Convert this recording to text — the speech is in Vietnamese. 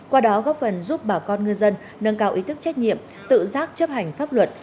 qua đó góp phần giúp bà con ngư dân nâng cao ý thức trách nhiệm tự giác chấp hành pháp luật